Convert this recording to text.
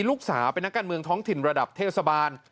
ลูกสาวเป็นนักการเมืองท้องถิ่นระดับเทศบาล